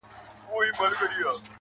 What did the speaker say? پرېږده دا زخم زړه ـ پاچا وویني.